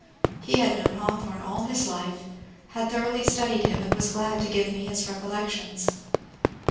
He had known Hawthorne all his life, had thoroughly studied him, and was glad to give me his recollections.